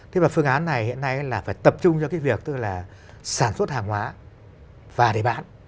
thế mà phương án này hiện nay là phải tập trung cho cái việc tức là sản xuất hàng hóa và để bán